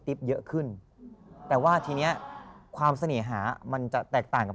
เยอะขึ้นแต่ว่าทีเนี้ยความเสน่หามันจะแตกต่างกับ